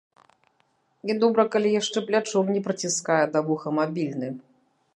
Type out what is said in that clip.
І добра, калі яшчэ плячом не прыціскае да вуха мабільны.